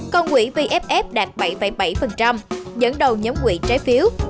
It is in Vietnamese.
còn quỹ vff đạt bảy bảy dẫn đầu nhóm quỹ trái phiếu